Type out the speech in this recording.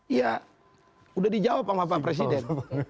iya sudah dijawab sama pak presiden